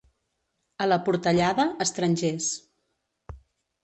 A la Portellada, estrangers.